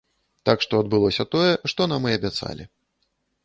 Так што адбылося тое, што нам і абяцалі.